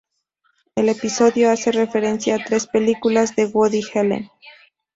El episodio hace referencia a tres películas de Woody Allen.